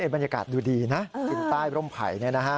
บรรยากาศดูดีนะติดป้ายร่มไผ่